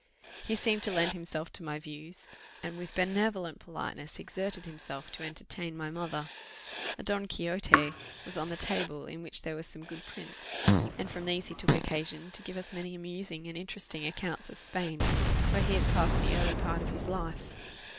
He seemed to lend himself to my views, and with benevolent politeness exerted himself to entertain my mother. A Don Quixote was on the table, in which there were some good prints, and from these he took occasion to give us many amusing and interesting accounts of Spain, where he had passed the early part of his life.